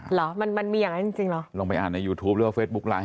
เหรอมันมันมีอย่างนั้นจริงจริงเหรอลองไปอ่านในยูทูปหรือว่าเฟซบุ๊คไลค